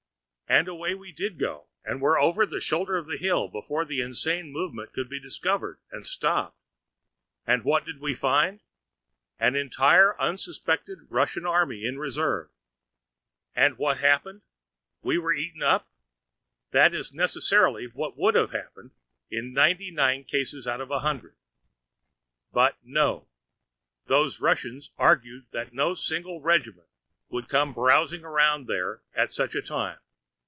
And away we did go, and were over the shoulder of the hill before the insane movement could be discovered and stopped. And what did we find? An entire and unsuspected Russian army in reserve! And what happened? We were eaten up? That is necessarily what would have happened in ninety nine cases out of a hundred. But no; those Russians argued that no single regiment would come browsing around there at such a time.